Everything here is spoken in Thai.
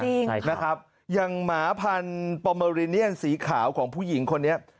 ใช่ครับนะครับอย่างหมาพันธุ์ปอเมอริเนียนสีขาวของผู้หญิงคนนี้